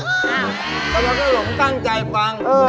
ไม่ต้องลงตั้งใจฟัง